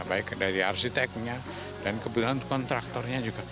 baik dari arsiteknya dan kebetulan kontraktornya juga